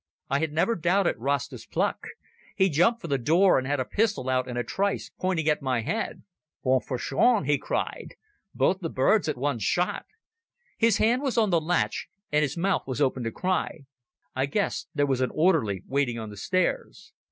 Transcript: I had never doubted Rasta's pluck. He jumped for the door and had a pistol out in a trice pointing at my head. "Bonne fortune," he cried. "Both the birds at one shot." His hand was on the latch, and his mouth was open to cry. I guessed there was an orderly waiting on the stairs.